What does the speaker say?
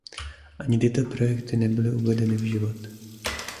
Ani tyto projekty nebyly uvedeny v život.